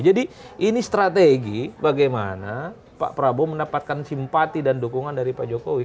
jadi ini strategi bagaimana pak prabowo mendapatkan simpati dan dukungan dari pak jokowi